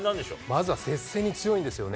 まずは接戦に強いんですよね。